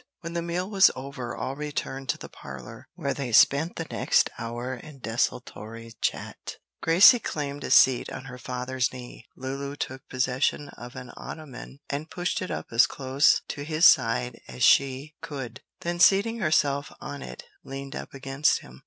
When the meal was over all returned to the parlor, where they spent the next hour in desultory chat. Gracie claimed a seat on her father's knee. Lulu took possession of an ottoman and pushed it up as close to his side as she could; then seating herself on it leaned up against him.